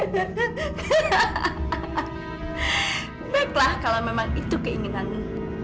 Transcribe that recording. baiklah kalau memang itu keinginanmu